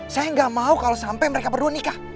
saya gak mau kalo sampe mereka berdua nikah